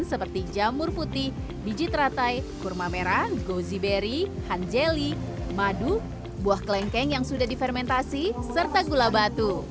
seperti jamur putih biji teratai kurma merah goziberry hanjeli madu buah kelengkeng yang sudah difermentasi serta gula batu